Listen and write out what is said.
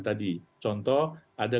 tadi contoh ada